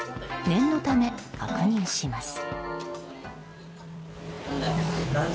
念のため確認します。